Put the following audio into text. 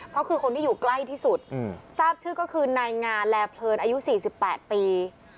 เพราะคือคนที่อยู่ใกล้ที่สุดทราบชื่อก็คือนายงาแลเพลินอายุ๔๘ปี